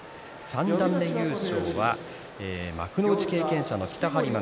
三段目優勝は幕内経験者の北はり磨。